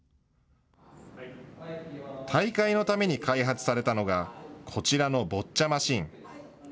大会のために開発されたのがこちらのボッチャマシン。